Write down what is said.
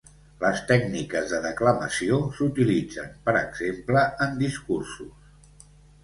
Les tècniques de declamació s'utilitzen, per exemple, en discursos.